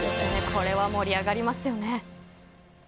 これは盛り上がりますよね。